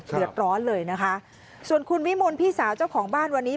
เดือดร้อนเลยนะคะส่วนคุณวิมลพี่สาวเจ้าของบ้านวันนี้